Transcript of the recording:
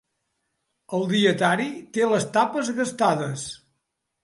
El dietari té les tapes gastades.